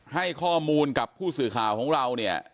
ให้ข้อมูลกับผู้สื่อข่าวของเราเนี่ย